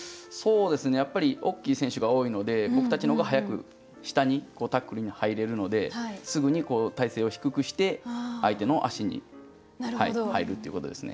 やっぱり大きい選手が多いので僕たちの方が早く下にタックルに入れるのですぐに体勢を低くして相手の足に入るっていうことですね。